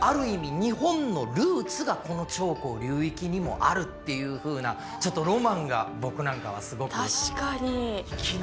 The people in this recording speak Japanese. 日本のルーツがこの長江流域にもあるっていうふうなちょっとロマンが僕なんかはすごく。